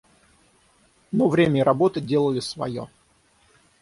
Но время и работа делали свое.